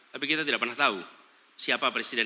tapi kita tidak pernah tahu siapa presiden